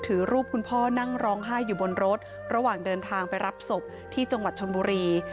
ถือรูปคุณพ่อนั่งร้องไห้อยู่บนรถระหว่างเดินทางไปรับศพที่จังหวัดชนบุรี